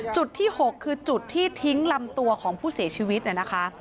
จุดที่๖คือจุดที่ทิ้งลำตัวของผู้เสียชีวิตเนี่ยนะคะ